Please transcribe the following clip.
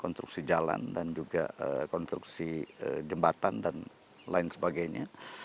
konstruksi jalan dan juga konstruksi jembatan dan lain sebagainya